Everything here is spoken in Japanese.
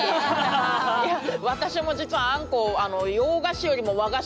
いや私も実はあんこえ？